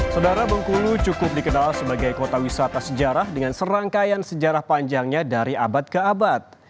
saudara bengkulu cukup dikenal sebagai kota wisata sejarah dengan serangkaian sejarah panjangnya dari abad ke abad